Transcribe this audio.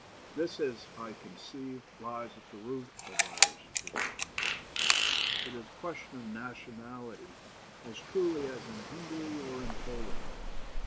This, as I conceive, lies at the root of Irish discontent. It is a question of nationality as truly as in Hungary or in Poland.